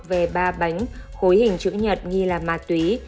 về ba bánh khối hình chữ nhật nghi là ma túy